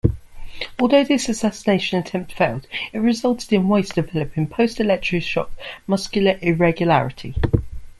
Although this assassination attempt failed, it resulted in Weis developing post-electroshock muscular irregularity.